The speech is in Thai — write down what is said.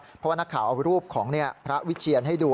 เพราะว่านักข่าวเอารูปของพระวิเชียนให้ดู